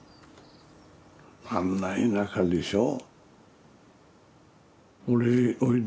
あんな田舎でしょ。